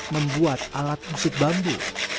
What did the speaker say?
membuat alat musik bambu